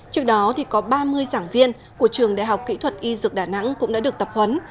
trước đó có ba mươi giảng viên của trường đại học kỹ thuật y dược đà nẵng cũng đã được tập huấn